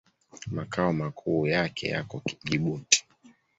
Makao makuu yake yako Jibuti.